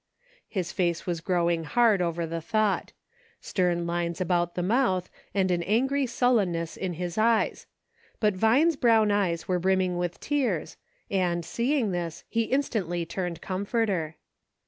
His face was growing hard over the thought. Stern lines about the mouth, and an angry sullen ness in his eyes ; but Vine's brown eyes were brimming with tears, and, seeing this, he instantly turned comforter.